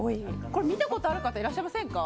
これ、見たことある方いらっしゃいませんか？